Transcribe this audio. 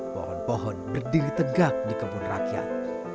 pohon pohon berdiri tegak di kebun rakyat